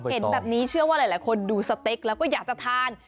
เห็นแบบนี้เชื่อว่าหลายคนดูสเต็กแล้วก็อยากจะทาน